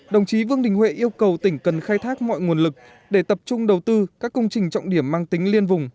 đồng chí vương đình huệ yêu cầu tỉnh cần khai thác mọi nguồn lực để tập trung đầu tư các công trình trọng điểm mang tính liên vùng